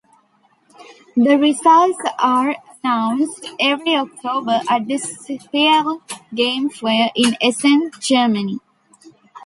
The results are announced every October at the "Spiel" game fair in Essen, Germany.